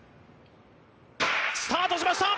スタートしました！